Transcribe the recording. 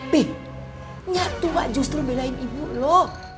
pi nyatua justru belain ibu lo